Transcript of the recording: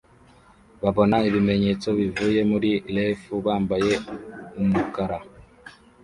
babona ibimenyetso bivuye muri ref bambaye umukara